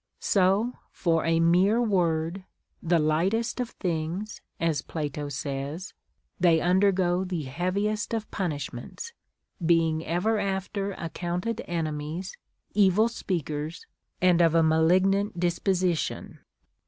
So for a mere word, the lightest of things (as Plato says), they undergo the heaviest of punishments, being ever after accounted enemies, evil speakers, and of a ma lignant disposition.